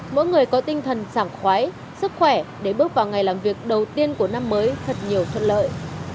mỗi người có tinh thần sảng khoái sức khỏe để bước vào ngày làm việc đầu tiên của năm mới thật nhiều thuận lợi